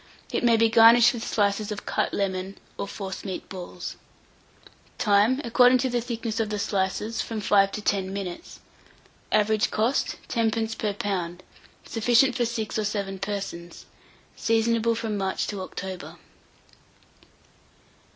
It may be garnished with slices of cut lemon, or forcemeat balls. Time. According to the thickness of the slices, from 5 to 10 minutes. Average cost, 10d. per lb. Sufficient for 6 or 7 persons. Seasonable from March to October.